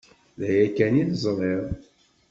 D aya kan i teẓriḍ?